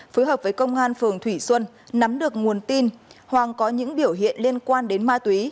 phối hợp với công an phường thủy xuân nắm được nguồn tin hoàng có những biểu hiện liên quan đến ma túy